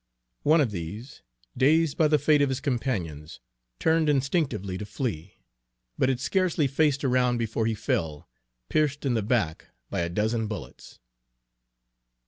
One of these, dazed by the fate of his companions, turned instinctively to flee, but had scarcely faced around before he fell, pierced in the back by a dozen bullets.